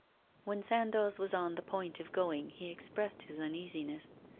When Sandoz was on the point of going, he expressed his uneasiness.